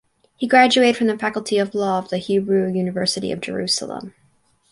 He graduated from the Faculty of Law of the Hebrew University of Jerusalem.